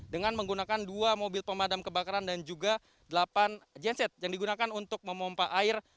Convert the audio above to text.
dengan menggunakan dua mobil pemadam kebakaran dan juga delapan genset yang digunakan untuk memompa air